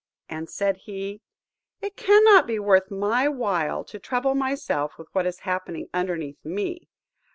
And said he, "It cannot be worth my while to trouble myself with what is happening underneath me!